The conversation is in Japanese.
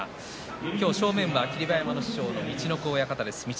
今日、正面は霧馬山の師匠の陸奥親方です。